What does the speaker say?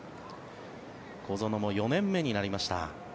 小園も４年目になりました。